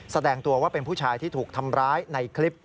แสดงตัวว่าเป็นผู้ชายที่ถูกทำร้ายในคลิป